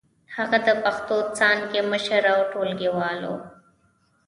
هغه د پښتو څانګې مشر او ټولګيوال و.